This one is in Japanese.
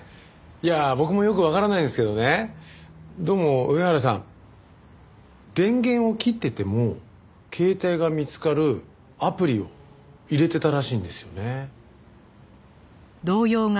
いや僕もよくわからないんですけどねどうも上原さん電源を切ってても携帯が見つかるアプリを入れてたらしいんですよね。